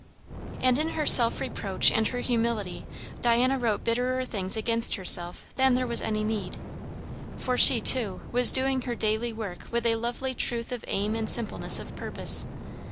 And in her self reproach and her humility, Diana wrote bitterer things against herself than there was any need. For she, too, was doing her daily work with a lovely truth of aim and simpleness of purpose.